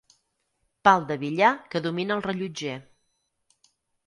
Pal de billar que domina el rellotger.